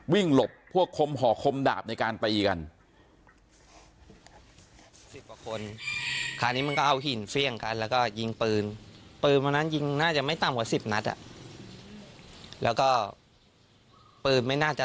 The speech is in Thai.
หลบพวกคมห่อคมดาบในการตีกัน